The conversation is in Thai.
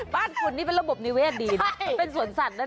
บ้านคุณนี่เป็นระบบนิเวศดีนะเป็นสวนสัตว์นั่นเอง